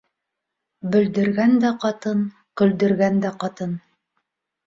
Бөлдөргән дә ҡатын, көлдөргән дә ҡатын.